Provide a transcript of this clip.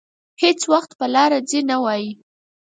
هېڅ وخت په لاره ځي نه وايي.